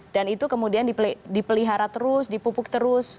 dan itu kemudian dipelihara terus dipupuk terus